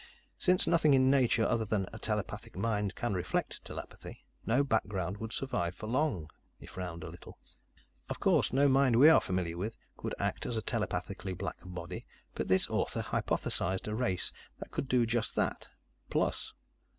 Since nothing in nature other than a telepathic mind can reflect telepathy, no background would survive for long." He frowned a little. "Of course, no mind we are familiar with could act as a telepathically black body, but this author hypothesized a race that could do just that plus.